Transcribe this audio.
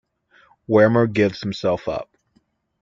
Wermeer gives himself up.